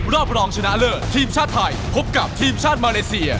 รอบรองชนะเลิศทีมชาติไทยพบกับทีมชาติมาเลเซีย